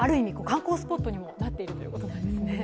観光スポットにもなっているということなんですね。